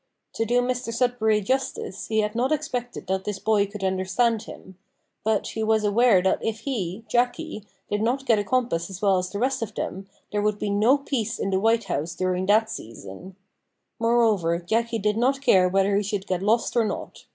To do Mr Sudberry justice, he had not expected that his boy could understand him; but he was aware that if he, Jacky, did not get a compass as well as the rest of them, there would be no peace in the White House during that season. Moreover, Jacky did not care whether he should get lost or not.